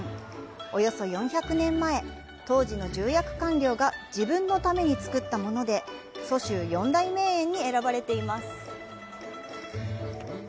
およそ４００年前、当時の重役官僚が自分のために造ったもので、蘇州四大名園に選ばれています。